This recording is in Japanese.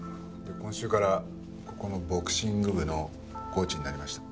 今週からここのボクシング部のコーチになりました。